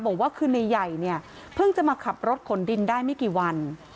บอกว่าคือในใหญ่เนี่ยเพิ่งจะมาขับรถขนดินได้ไม่กี่วัน